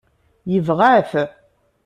Yebɣa-t.